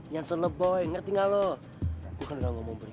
wah bahagia gue malam ini